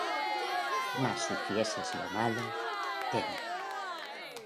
Mas si hicieres lo malo, teme: